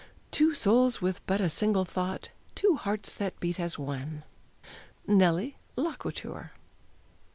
"Two souls with but a single thought, Two hearts that beat as one." NELLIE, loquitur.